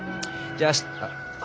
じゃあ明日。